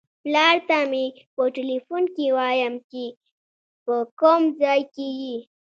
پلار ته مې په ټیلیفون کې وایم په کوم ځای کې یې.